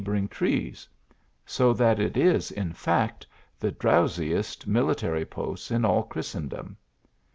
bouring trees ; so that it is, in fact, the drowsiest military p9St in all Christendom.